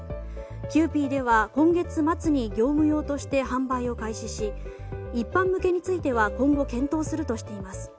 キユーピーでは今月末に業務用として販売を開始し一般向けについては今後検討するとしています。